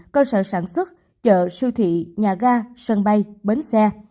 cơ sở sản xuất chợ siêu thị nhà ga sân bay bến xe